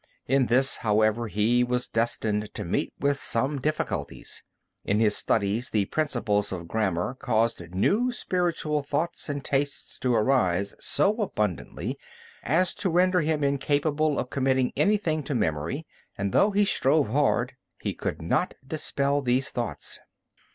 In this, however, he was destined to meet with some difficulties. In his studies, the principles of grammar caused new spiritual thoughts and tastes to arise so abundantly, as to render him incapable of committing anything to memory, and though he strove hard, he could not dispel these thoughts.